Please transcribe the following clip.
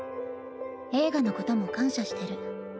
映画のことも感謝してる。